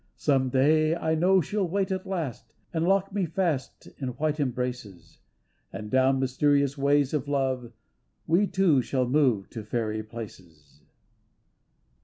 Some day I know she'll wait at last And lock me fast in white embraces. And down mysterious ways of love We two shall move to fairy places.